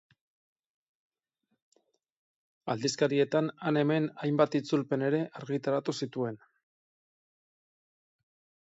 Aldizkarietan han-hemen hainbat itzulpen ere argitaratu zituen.